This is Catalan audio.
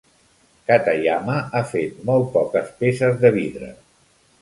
Katayama ha fet molt poques peces de vidre.